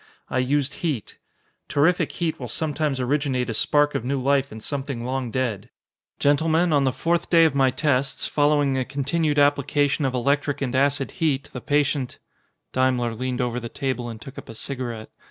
"I used heat. Terrific heat will sometimes originate a spark of new life in something long dead. Gentlemen, on the fourth day of my tests, following a continued application of electric and acid heat, the patient " Daimler leaned over the table and took up a cigarette.